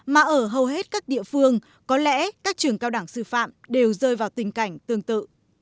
mà ở hầu hết các địa phương có lẽ các trường cao đẳng sư phạm đều rơi vào tình cảnh tương tự